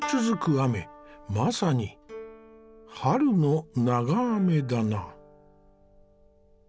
雨まさに春の長雨だな。